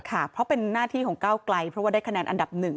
ค่ะเพราะเป็นหน้าที่ของก้าวไกลเพราะว่าได้คะแนนอันดับหนึ่ง